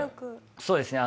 そうですね。